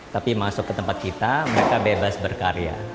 tapi masuk ke tempat kita mereka bebas berkarya